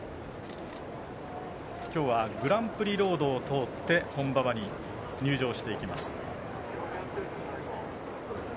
きょうはグランプリロードを通って本馬場に入場していきます。